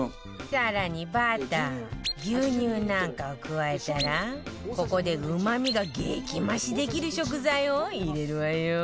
更にバター牛乳なんかを加えたらここでうまみが激増しできる食材を入れるわよ